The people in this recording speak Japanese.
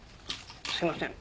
すいません。